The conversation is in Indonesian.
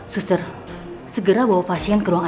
suster segera bawa pasien ke ruang icu